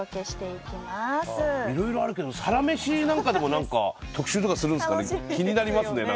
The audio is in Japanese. いろいろあるけど「サラメシ」なんかも特集とかするんですね。